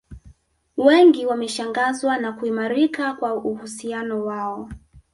Wengi wameshangazwa na kuimarika kwa uhusiano wao